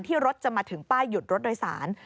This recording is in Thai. รถจะมาถึงป้ายหยุดรถโดยสาร